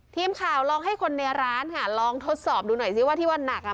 ทีมข่าวลองให้คนในร้านค่ะลองทดสอบดูหน่อยซิว่าที่ว่านักอ่ะ